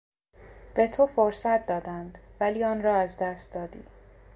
به تو فرصت دادند ولی آن را از دست دادی.